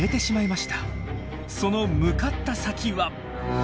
その向かった先は。